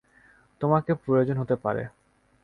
তোমাকে প্রয়োজন হতে পারে।